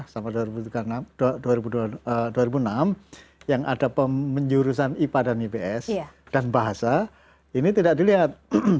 sama dua ribu enam yang ada menjurusan ipa dan ips dan bahasa ini tidak dilihat